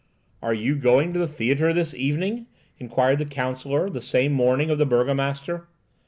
"Are you going to the theatre this evening?" inquired the counsellor the same morning of the burgomaster.